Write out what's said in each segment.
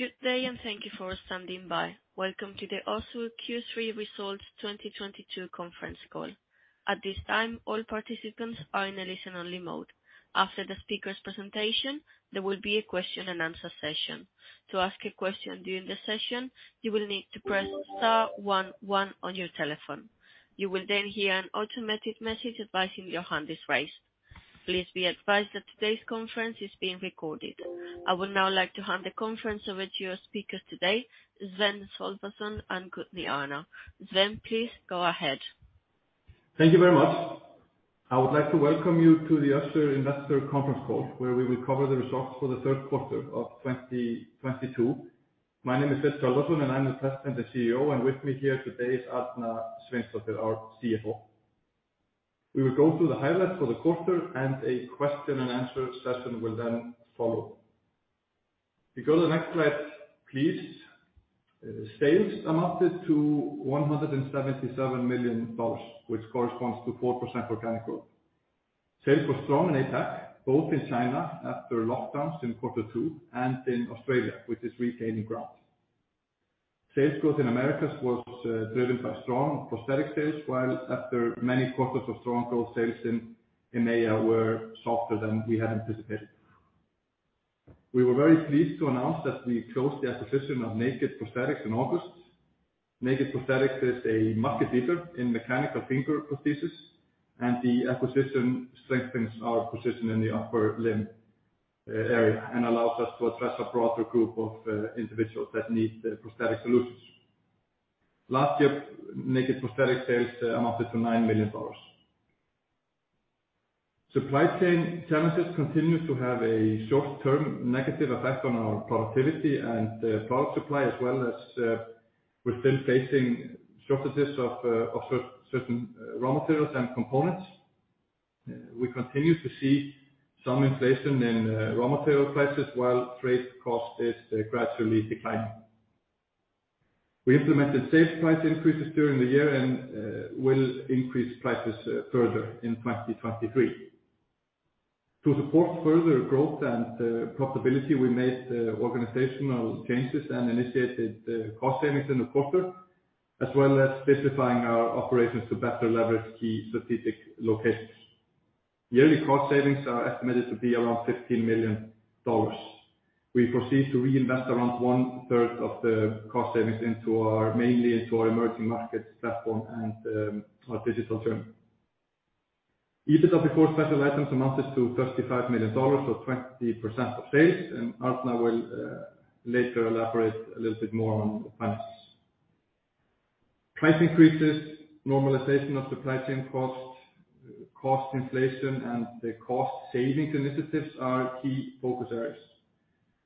Good day and thank you for standing by. Welcome to the Össur Q3 2022 Results conference call. At this time, all participants are in a listen-only mode. After the speakers' presentation, there will be a question and answer session. To ask a question during the session, you will need to press star one one on your telephone. You will then hear an automatic message advising your hand is raised. Please be advised that today's conference is being recorded. I would now like to hand the conference over to your speakers today, Sveinn Sölvason and Gudný Arna Sveinsdóttir. Sveinn, please go ahead. Thank you very much. I would like to welcome you to the Össur Investor Conference Call, where we will cover the results for the third quarter of 2022. My name is Sveinn Sölvason, and I'm the President and CEO, and with me here today is Gudný Arna Sveinsdóttir, our CFO. We will go through the highlights for the quarter and a question and answer session will then follow. If you go to the next slide, please. Sales amounted to $177 million, which corresponds to 4% organic growth. Sales were strong in APAC, both in China after lockdowns in quarter two and in Australia, which is regaining ground. Sales growth in Americas was driven by strong prosthetic sales, while after many quarters of strong growth, sales in EMEA were softer than we had anticipated. We were very pleased to announce that we closed the acquisition of Naked Prosthetics in August. Naked Prosthetics is a market leader in mechanical finger prosthesis, and the acquisition strengthens our position in the upper limb area and allows us to address a broader group of individuals that need the prosthetic solutions. Last year, Naked Prosthetics sales amounted to $90 million. Supply chain challenges continue to have a short-term negative effect on our productivity and product supply, as well as we're still facing shortages of certain raw materials and components. We continue to see some inflation in raw material prices while freight cost is gradually declining. We implemented safe price increases during the year and will increase prices further in 2023. To support further growth and profitability, we made organizational changes and initiated cost savings in the quarter, as well as specifying our operations to better leverage key strategic locations. Yearly cost savings are estimated to be around $15 million. We proceed to reinvest around one-third of the cost savings mainly into our emerging markets platform and our digital team. EBIT before special items amounted to $35 million or 20% of sales, and Arna will later elaborate a little bit more on finances. Price increases, normalization of supply chain costs, cost inflation, and the cost savings initiatives are our key focus areas.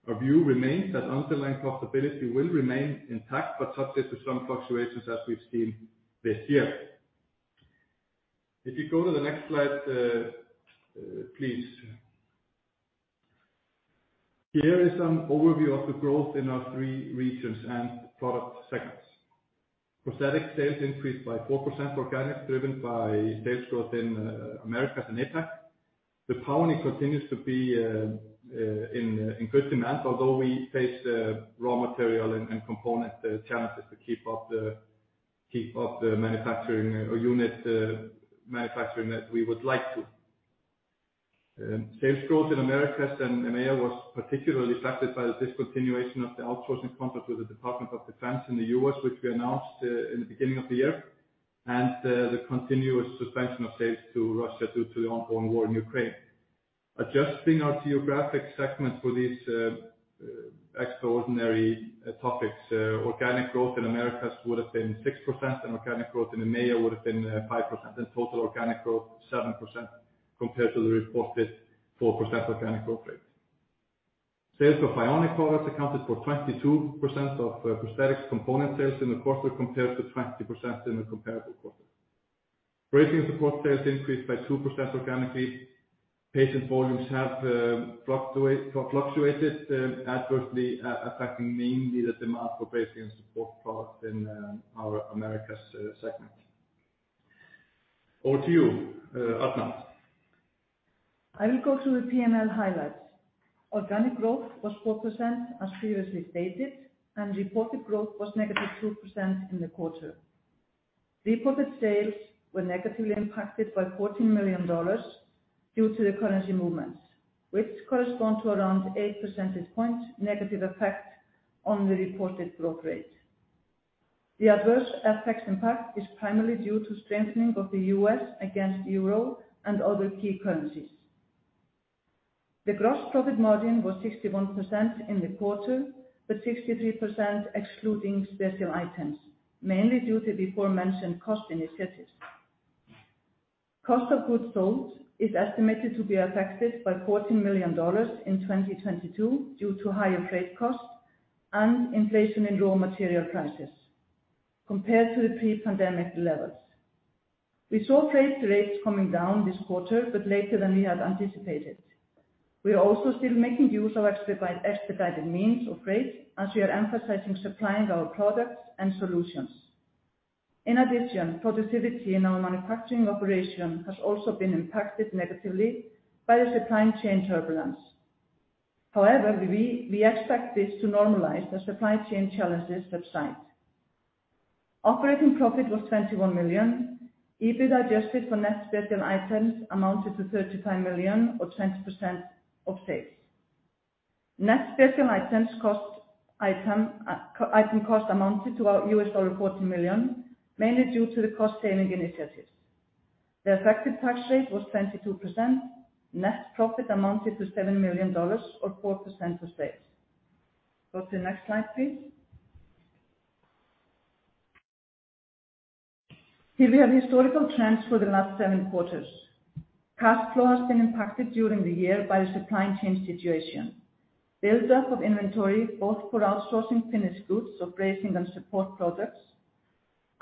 Our view remains that underlying profitability will remain intact, but subject to some fluctuations as we've seen this year. If you go to the next slide, please. Here is some overview of the growth in our three regions and product segments. Prosthetics sales increased by 4% organic, driven by sales growth in Americas and APAC. The Tauni continues to be in good demand, although we face raw material and component challenges to keep up the manufacturing output that we would like to. Sales growth in Americas and EMEA was particularly affected by the discontinuation of the outsourcing contract with the Department of Defense in the U.S., which we announced in the beginning of the year, and the continuous suspension of sales to Russia due to the ongoing war in Ukraine. Adjusting our geographic segment for these extraordinary topics, organic growth in Americas would have been 6% and organic growth in EMEA would have been 5%, and total organic growth 7% compared to the reported 4% organic growth rate. Sales of bionic products accounted for 22% of Prosthetics component sales in the quarter, compared to 20% in the comparable quarter. Bracing & Supports sales increased by 2% organically. Patient volumes have fluctuated adversely, affecting mainly the demand for Bracing & Supports products in our Americas segment. Over to you, Arna. I will go through the P&L highlights. Organic growth was 4% as previously stated, and reported growth was -2% in the quarter. Reported sales were negatively impacted by $14 million due to the currency movements, which correspond to around 8 percentage points negative effect on the reported growth rate. The adverse FX impact is primarily due to strengthening of the U.S. against euro and other key currencies. The gross profit margin was 61% in the quarter, but 63% excluding special items, mainly due to aforementioned cost initiatives. Cost of goods sold is estimated to be affected by $14 million in 2022 due to higher freight costs and inflation in raw material prices compared to the pre-pandemic levels. We saw freight rates coming down this quarter, but later than we had anticipated. We are also still making use of expedited means of freight as we are emphasizing supplying our products and solutions. In addition, productivity in our manufacturing operation has also been impacted negatively by the supply chain turbulence. However, we expect this to normalize as supply chain challenges subside. Operating profit was 21 million. EBIT adjusted for net special items amounted to 35 million, or 20% of sales. Net special items cost items amounted to $14 million, mainly due to the cost saving initiatives. The effective tax rate was 22%. Net profit amounted to $7 million or 4% of sales. Go to the next slide, please. Here we have historical trends for the last 7 quarters. Cash flow has been impacted during the year by the supply chain situation. Build-up of inventory, both for outsourcing finished goods of Bracing & Supports products,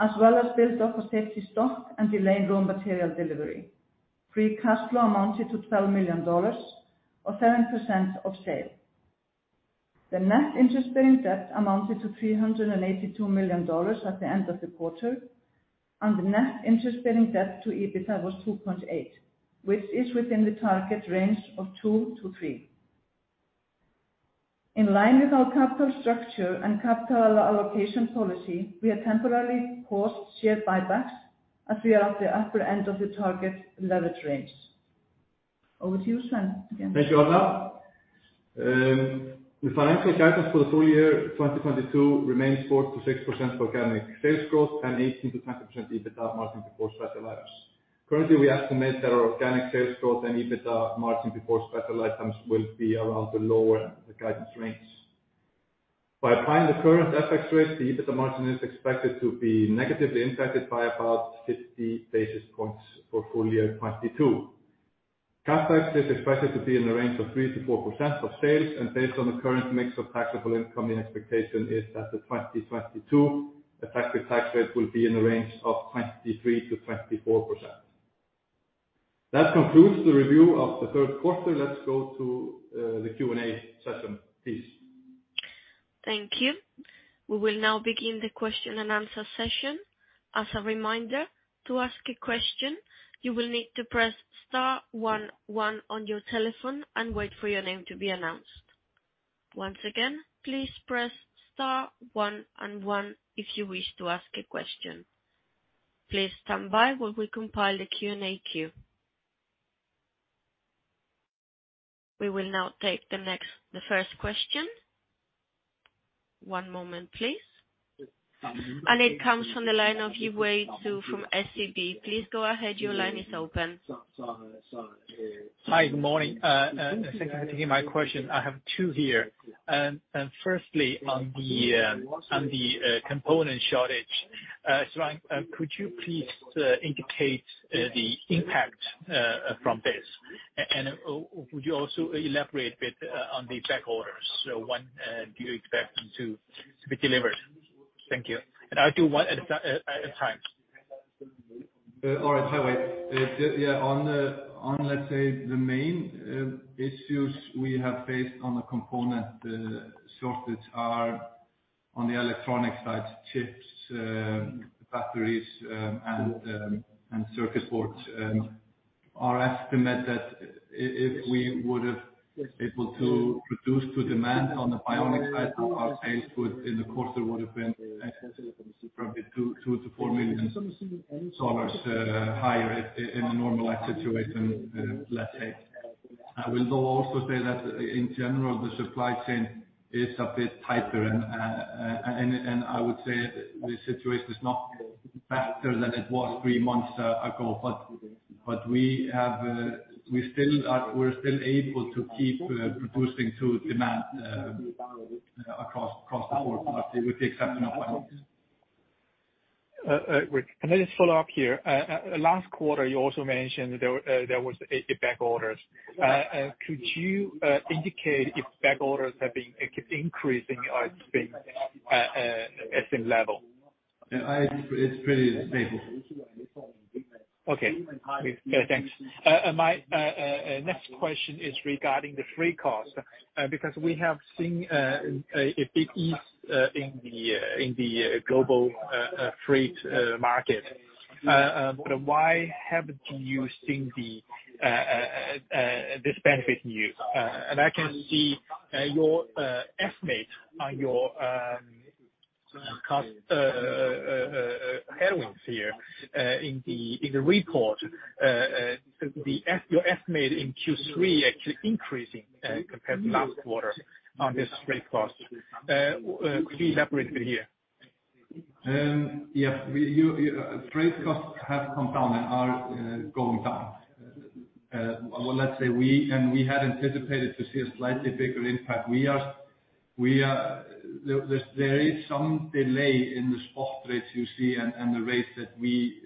as well as build-up for safety stock and delayed raw material delivery. Free cash flow amounted to $12 million or 7% of sales. The net interest-bearing debt amounted to $382 million at the end of the quarter, and the net interest-bearing debt to EBITDA was 2.8, which is within the target range of 2-3. In line with our capital structure and capital allocation policy, we have temporarily paused share buybacks as we are at the upper end of the target leverage range. Over to you, Sveinn, again. Thank you, Arna. The financial guidance for the full year 2022 remains 4%-6% for organic sales growth and 18%-20% EBITDA margin before special items. Currently, we estimate that our organic sales growth and EBITDA margin before special items will be around the lower of the guidance range. By applying the current FX rate, the EBITDA margin is expected to be negatively impacted by about 50 basis points for full year 2022. Cash tax is expected to be in the range of 3%-4% of sales, and based on the current mix of taxable income, the expectation is that the 2022 effective tax rate will be in the range of 23%-24%. That concludes the review of the third quarter. Let's go to the Q&A session, please. Thank you. We will now begin the question and answer session. As a reminder, to ask a question, you will need to press star one one on your telephone and wait for your name to be announced. Once again, please press star one and one if you wish to ask a question. Please stand by while we compile the Q&A queue. We will now take the first question. One moment, please. It comes from the line of Yiwei Xue from SEB. Please go ahead. Your line is open. Hi. Good morning. Thanks for taking my question. I have two here. Firstly, on the component shortage, Sveinn, could you please indicate the impact from this? And would you also elaborate a bit on the back orders? When do you expect them to be delivered? Thank you. I'll do one at a time. All right. Hi, Wei. On the main issues we have faced on the component shortage are on the electronic side, chips, batteries, and circuit boards. Our estimate that if we would have been able to produce to demand on the bionic side, our sales would, in the quarter, have been probably $2 million-$4 million higher in a normalized situation, let's say. I will though also say that in general, the supply chain is a bit tighter, and I would say the situation is not better than it was three months ago. We're still able to keep producing to demand across the board with the exception of bionics. Wait. Can I just follow up here? Last quarter, you also mentioned there was back orders. Could you indicate if back orders have been increasing or it's been at the same level? Yeah, it's pretty stable. Okay. Yeah, thanks. My next question is regarding the freight cost because we have seen a big ease in the global freight market. Why haven't you seen this benefiting you? I can see your estimate on your cost headings here in the report. Your estimate in Q3 actually increasing compared to last quarter on this freight cost. Could you elaborate a bit here? Freight costs have come down and are going down. We had anticipated to see a slightly bigger impact. There is some delay in the spot rates you see and the rates that we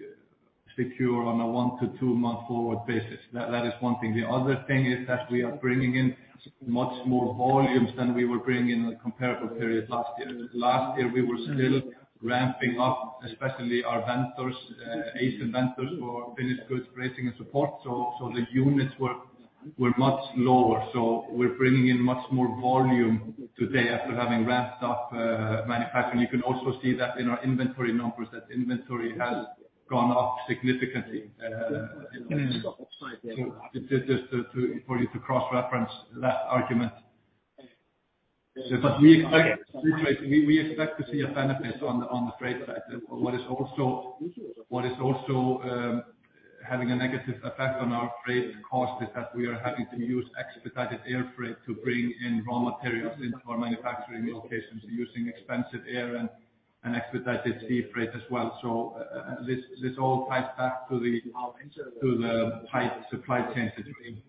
secure on a 1-2-month forward basis. That is one thing. The other thing is that we are bringing in much more volumes than we were bringing in the comparable period last year. Last year, we were still ramping up, especially our Asian vendors for finished goods Bracing & Supports. The units were much lower. We're bringing in much more volume today after having ramped up manufacturing. You can also see that in our inventory numbers, that inventory has gone up significantly. Just to for you to cross-reference that argument. We expect to see a benefit on the freight side. What is also having a negative effect on our freight cost is that we are having to use expedited air freight to bring in raw materials into our manufacturing locations using expensive air and expedited sea freight as well. This all ties back to the tight supply chain situation.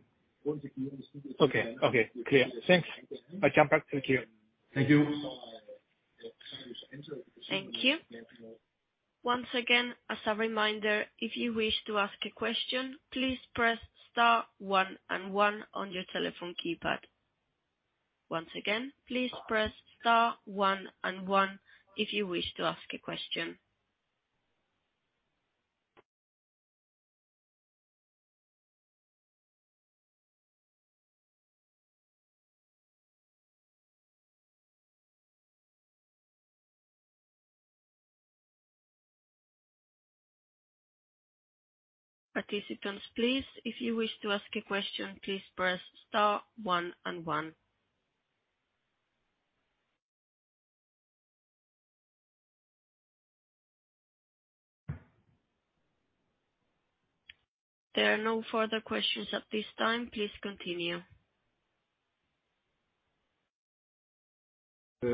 Okay. Clear. Thanks. Bye. Thank you. Thank you. Thank you. Once again, as a reminder, if you wish to ask a question, please press star one and one on your telephone keypad. Once again, please press star one and one if you wish to ask a question. Participants, please, if you wish to ask a question, please press star one and one. There are no further questions at this time. Please continue.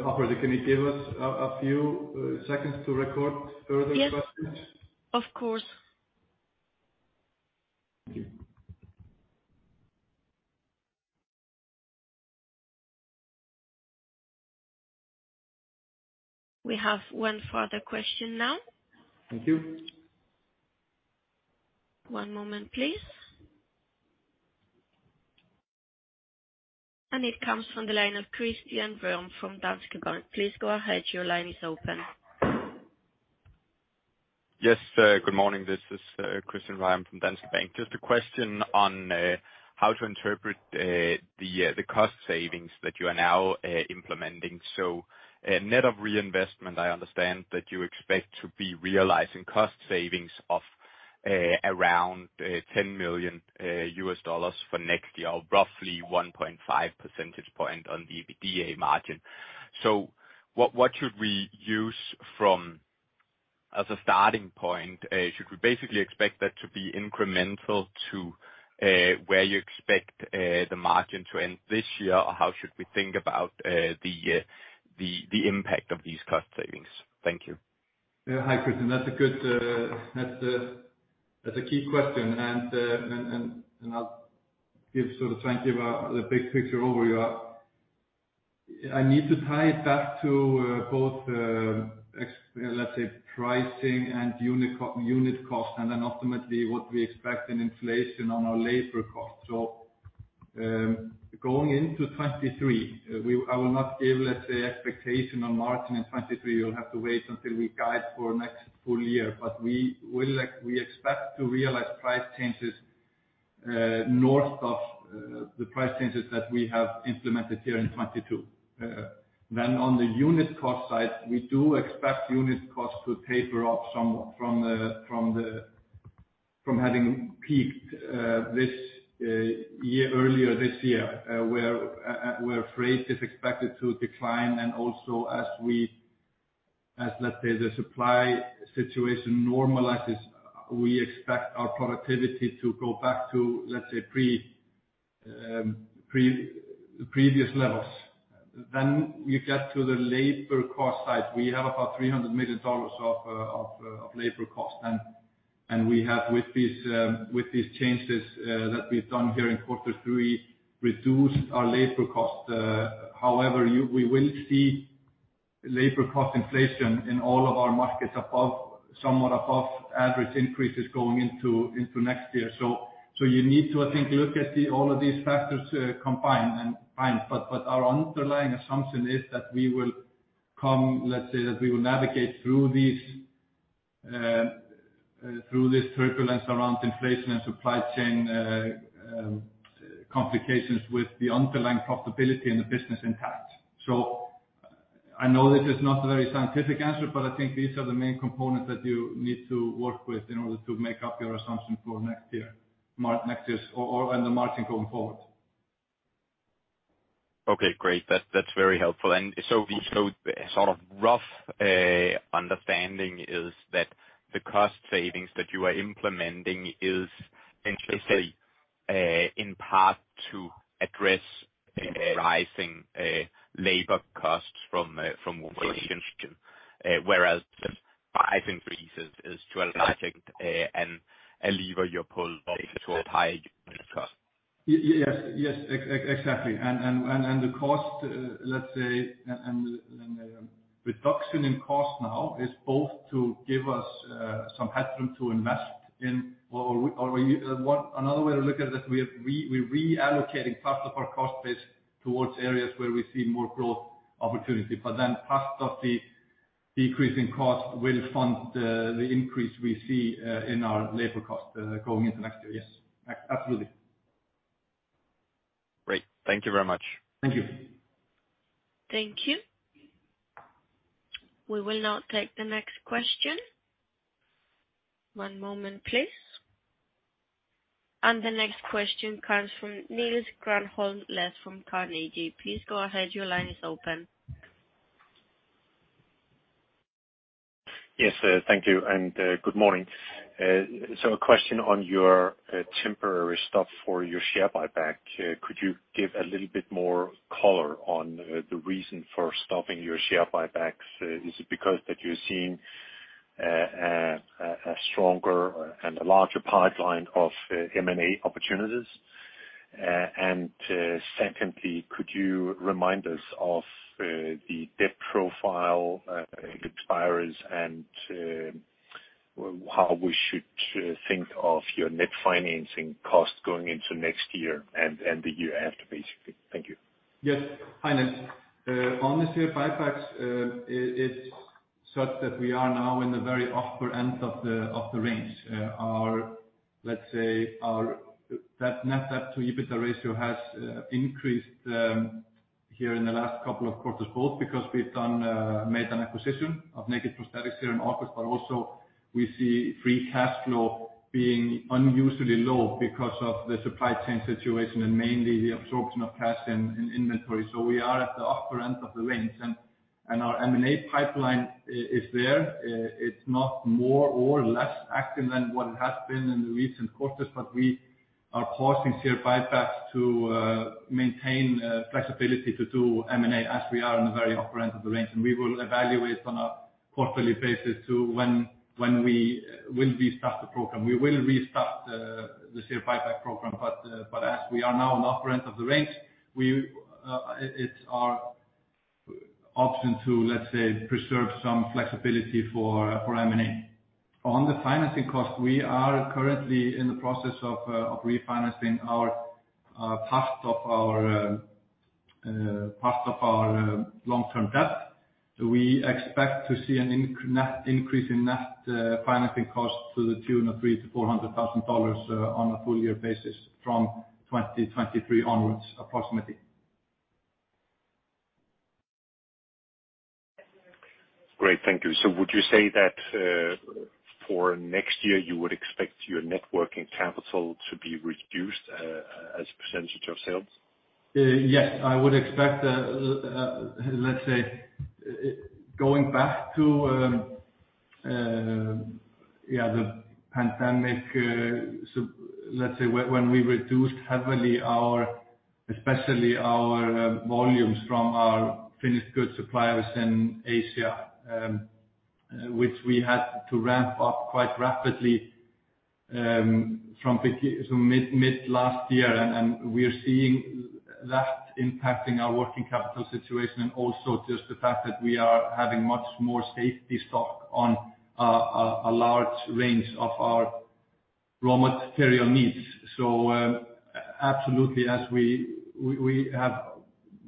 Operator, can you give us a few seconds to record further questions? Yes, of course. Thank you. We have one further question now. Thank you. One moment, please. It comes from the line of Christian Ryom from Danske Bank. Please go ahead. Your line is open. Yes, good morning. This is Christian Ryom from Danske Bank. Just a question on how to interpret the cost savings that you are now implementing. Net of reinvestment, I understand that you expect to be realizing cost savings of around $10 million for next year, or roughly 1.5 percentage point on the EBITDA margin. What should we use as a starting point? Should we basically expect that to be incremental to where you expect the margin to end this year? Or how should we think about the impact of these cost savings? Thank you. Yeah. Hi, Christian. That's a good key question. I'll give sort of try and give the big picture overview. I need to tie it back to both let's say pricing and unit cost, and then ultimately what we expect in inflation on our labor cost. Going into 2023, I will not give, let's say, expectation on margin in 2023. You'll have to wait until we guide for next full year. We will like we expect to realize price changes north of the price changes that we have implemented here in 2022. On the unit cost side, we do expect unit cost to taper off somewhat from having peaked this year, earlier this year. Where freight is expected to decline. Also as we, let's say, the supply situation normalizes, we expect our productivity to go back to, let's say, previous levels. You get to the labor cost side. We have about $300 million of labor cost. We have, with these changes that we've done here in quarter three, reduced our labor cost. However, we will see labor cost inflation in all of our markets above, somewhat above average increases going into next year. You need to, I think, look at all of these factors combined and find. Our underlying assumption is that we will navigate through this turbulence around inflation and supply chain complications with the underlying profitability in the business intact. I know this is not a very scientific answer, but I think these are the main components that you need to work with in order to make up your assumption for next year and the margin going forward. Okay, great. That's very helpful. We showed sort of rough understanding is that the cost savings that you are implementing is essentially in part to address rising labor costs from inflation. Whereas the pricing increases is to a large extent a lever you pull to apply unit cost. Yes. Exactly. The cost, let's say, reduction in cost now is both to give us some headroom to invest in or another way to look at it, we're reallocating part of our cost base towards areas where we see more growth opportunity. Part of the decrease in cost will fund the increase we see in our labor cost going into next year. Yes. Absolutely. Great. Thank you very much. Thank you. Thank you. We will now take the next question. One moment, please. The next question comes from Niels Granholm-Leth from Carnegie. Please go ahead. Your line is open. Yes, thank you and good morning. A question on your temporary stop for your share buyback. Could you give a little bit more color on the reason for stopping your share buybacks? Is it because that you're seeing a stronger and a larger pipeline of M&A opportunities? Secondly, could you remind us of the debt profile expires and how we should think of your net financing cost going into next year and the year after, basically? Thank you. Yes. Hi, Niels. On the share buybacks, it's such that we are now in the very upper end of the range. Our net debt to EBITDA ratio has increased here in the last couple of quarters, both because we've made an acquisition of Naked Prosthetics here in August, but also we see free cash flow being unusually low because of the supply chain situation and mainly the absorption of cash and inventory. We are at the upper end of the range. Our M&A pipeline is there. It's not more or less active than what it has been in the recent quarters, but we are pausing share buybacks to maintain flexibility to do M&A as we are in the very upper end of the range. We will evaluate on a quarterly basis to when we will restart the program. We will restart the share buyback program. But as we are now in the upper end of the range, it's our option to, let's say, preserve some flexibility for M&A. On the financing cost, we are currently in the process of refinancing our part of our long-term debt. We expect to see a net increase in net financing cost to the tune of $300,000-$400,000 on a full year basis from 2023 onwards, approximately. Great. Thank you. Would you say that, for next year you would expect your net working capital to be reduced, as a percentage of sales? Yes. I would expect, let's say, going back to, yeah, the pandemic, so let's say when we reduced heavily our, especially our, volumes from our finished goods suppliers in Asia, which we had to ramp up quite rapidly, from mid last year. We are seeing that impacting our working capital situation and also just the fact that we are having much more safety stock on a large range of our raw material needs. Absolutely, as we have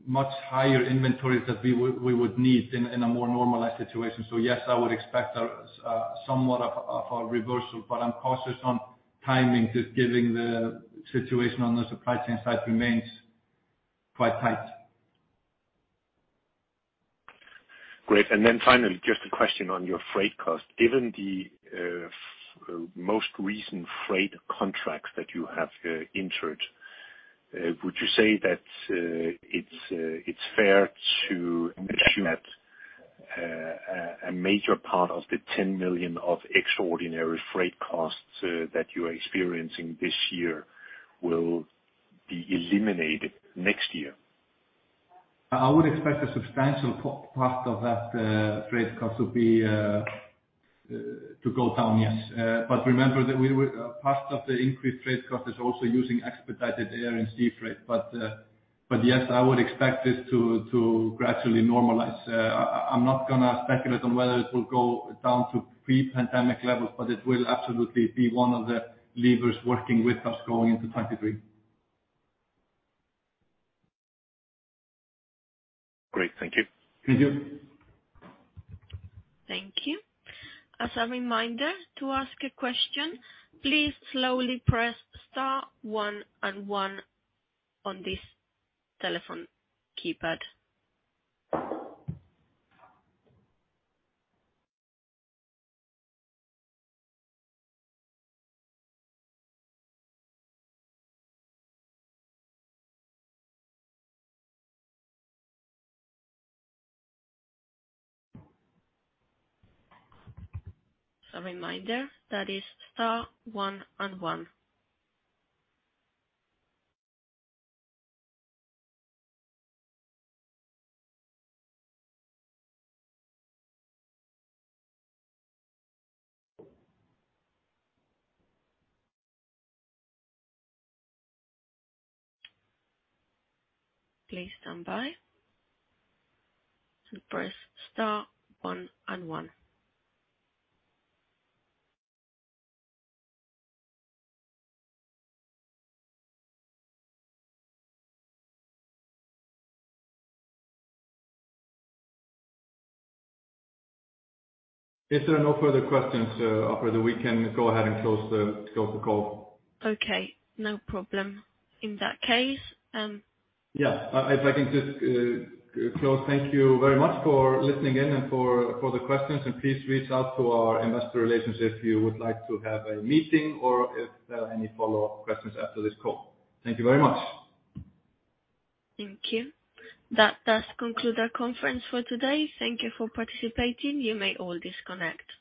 much higher inventories than we would need in a more normalized situation. Yes, I would expect, somewhat of a reversal, but I'm cautious on timing just given the situation on the supply chain side remains quite tight. Great. Finally, just a question on your freight cost. Given the most recent freight contracts that you have entered, would you say that it's fair to assume a major part of the 10 million of extraordinary freight costs that you are experiencing this year will be eliminated next year? I would expect a substantial part of that freight cost to go down, yes. Part of the increased freight cost is also using expedited air and sea freight. Yes, I would expect this to gradually normalize. I'm not gonna speculate on whether it will go down to pre-pandemic levels, but it will absolutely be one of the levers working with us going into 2023. Great. Thank you. Thank you. Thank you. As a reminder, to ask a question, please slowly press star one and one on this telephone keypad. As a reminder, that is star one and one. Please stand by and press star one and one. If there are no further questions, operator, we can go ahead and close the call. Okay, no problem. In that case. Yeah. If I can just close. Thank you very much for listening in and for the questions. Please reach out to our investor relations if you would like to have a meeting or if there are any follow-up questions after this call. Thank you very much. Thank you. That does conclude our conference for today. Thank you for participating. You may all disconnect.